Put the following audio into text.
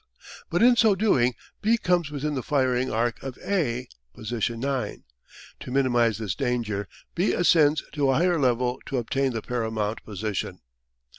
But in so doing B comes within the firing arc of A (position 9). To minimise this danger B ascends to a higher level to obtain the paramount position.